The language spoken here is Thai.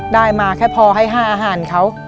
ได้มาแค่พอให้๕อาหารเขา